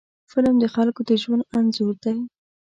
فلم د خلکو د ژوند انځور دی